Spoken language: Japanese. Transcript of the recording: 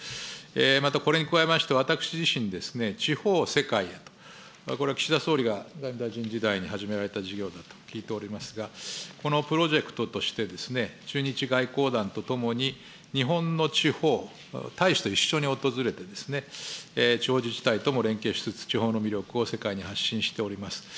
またこれに加えまして、私自身、地方を世界へと、これは岸田総理が外務大臣時代に始められた事業だと聞いておりますが、このプロジェクトとして、駐日外交団とともに、日本の地方を大使と一緒に訪れて、地方自治体とも連携しつつ、地方の魅力を世界に発信しております。